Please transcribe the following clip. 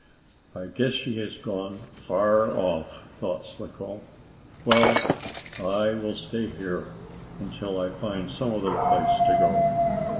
"I guess she has gone far off," thought Slicko. "Well, I will stay here until I find some other place to go.